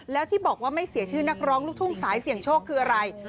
แล้วที่บอกว่าไม่เสียชื่อนักร้องลูกทุ่งสายเสี่ยงโชคคืออะไร